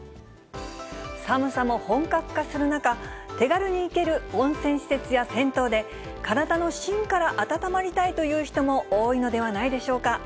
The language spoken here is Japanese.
寒さも本格化する中、手軽に行ける温泉施設や銭湯で、体のしんから温まりたいという人も多いのではないでしょうか。